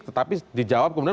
tetapi dijawab kemudian